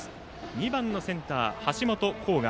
２番のセンター、橋本航河。